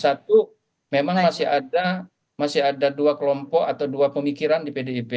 satu memang masih ada dua kelompok atau dua pemikiran di pdip